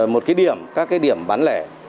một cái điểm các cái điểm bán lẻ